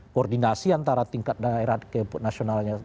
koordinasi antara tingkat daerah ke nasionalnya